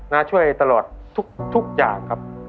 น้าช่วยตลอดทุกอย่างครับ